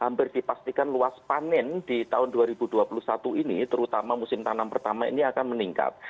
hampir dipastikan luas panen di tahun dua ribu dua puluh satu ini terutama musim tanam pertama ini akan meningkat